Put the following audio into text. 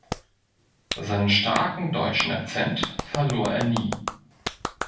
Seinen starken deutschen Akzent verlor er nie.